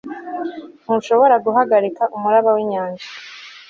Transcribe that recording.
Ntushobora guhagarika umuraba winyanja